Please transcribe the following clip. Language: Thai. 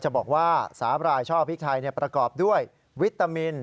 จะบอกว่าสาบรายช่อพริกไทยประกอบด้วยวิตามิน